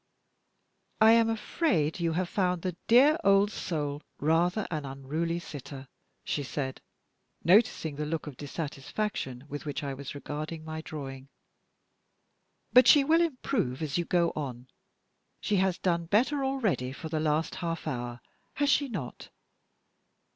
"I am afraid you have found the dear old soul rather an unruly sitter," she said, noticing the look of dissatisfaction with which I was regarding my drawing. "But she will improve as you go on. She has done better already for the last half hour, has she not?"